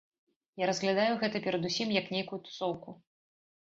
Я разглядаю гэта перадусім як нейкую тусоўку.